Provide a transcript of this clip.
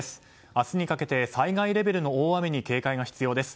明日にかけて災害レベルの大雨に警戒が必要です。